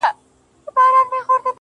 راډيو.